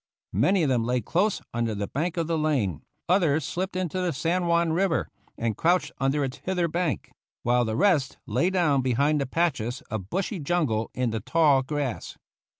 Many of them lay close under the bank of the lane, others slipped into the San Juan River and crouched under its hither bank, while the rest lay down behind the patches of bushy jungle in the tall grass.